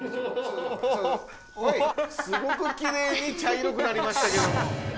すごくきれいに茶色くなりましたけども。